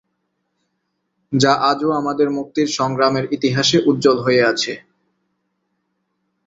যা আজও আমাদের মুক্তির সংগ্রামের ইতিহাসে উজ্জ্বল হয়ে আছে।